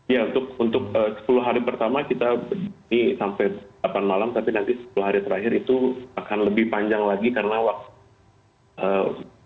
ya untuk sepuluh hari pertama kita berdiri sampai delapan malam tapi nanti sepuluh hari terakhir itu akan lebih panjang lagi karena waktu